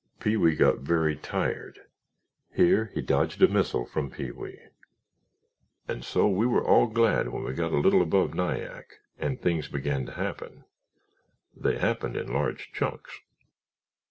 Pee wee got very tired (here he dodged a missile from Pee wee) and so we were all glad when we got a little above Nyack and things began to happen. They happened in large chunks.